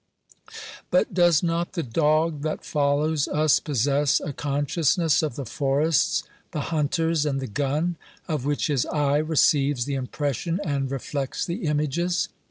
But does not the dog that follows us possess a consciousness of the forests, the hunters, and the gun, of which his eye receives the impression and reflects the images?